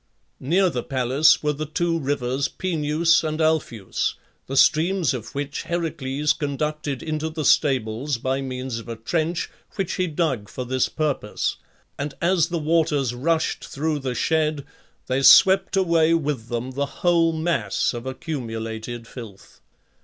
Near the palace were the two rivers Peneus and Alpheus, the streams of which Heracles conducted into the stables by means of a trench which he dug for this purpose, and as the waters rushed through the shed, they swept away with them the whole mass of accumulated filth.